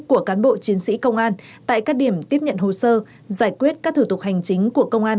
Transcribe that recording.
của cán bộ chiến sĩ công an tại các điểm tiếp nhận hồ sơ giải quyết các thủ tục hành chính của công an